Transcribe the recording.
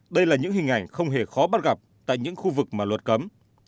đây là những hình ảnh không hề khó bắt gặp tại những khu vực mà luật cấm